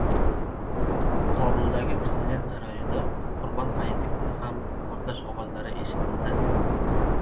Qobuldagi prezident saroyida Qurbon hayiti kuni ham portlash ovozlari eshitildi